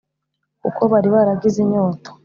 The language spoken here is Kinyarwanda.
kuko bari baragize inyota